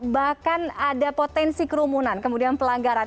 bahkan ada potensi kerumunan kemudian pelanggaran